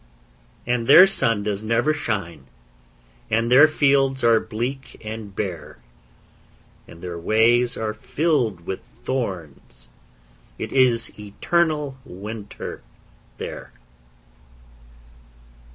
And their sun does never shine, And their fields are bleak and bare, And their ways are filled with thorns, It is eternal winter there.